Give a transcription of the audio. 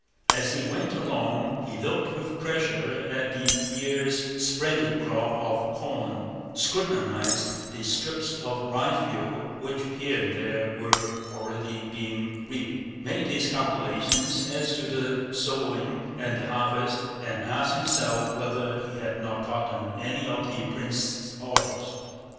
As he went along he looked with pleasure at the year's splendid crop of corn, scrutinized the strips of ryefield which here and there were already being reaped, made his calculations as to the sowing and the harvest, and asked himself whether he had not forgotten any of the prince's orders.